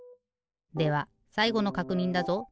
ではさいごのかくにんだぞ！